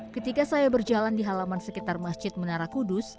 ketika saya berjalan di halaman sekitar masjid menara kudus